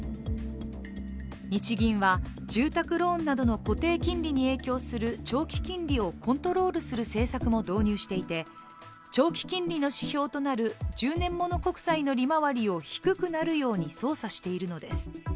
日銀は、住宅ローンなどの固定金利に影響する長期金利をコントロールする政策も導入していて長期金利の指標となる１０年もの国債の低くなるように操作しているのです。